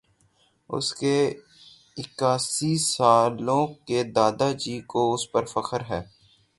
اُس کے اِکیاسی سالوں کے دادا جی کو اُس پر فخر ہے